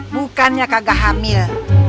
bukannya kagak hamil